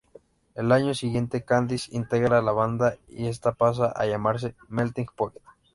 Al año siguiente, Candice integra la banda y esta pasa a llamarse "Melting Point".